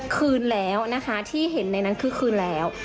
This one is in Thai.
คืนแล้วนะคะที่เห็นในนั้นคือคืนแล้ว